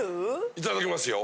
いただきますよ。